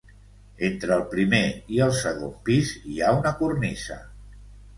Entre el primer i el segon pis hi ha una cornisa.